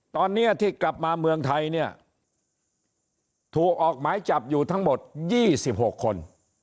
ตอนนี้ที่กลับมาเมืองไทยเนี่ยถูกออกหมายจับอยู่ทั้งหมด๒๖คน